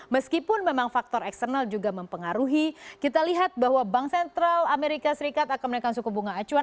meskipun memang faktor eksternal juga mempengaruhi kita lihat bahwa bank sentral amerika serikat akan menaikkan suku bunga acuan